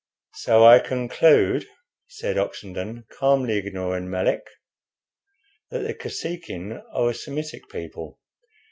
"So I conclude," said Oxenden, calmly, ignoring Melick, "that the Kosekin are a Semitic people.